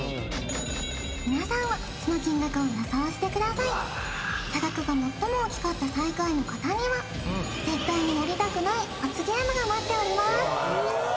皆さんはその金額を予想してください差額が最も大きかった最下位の方には絶対にやりたくない罰ゲームが待っております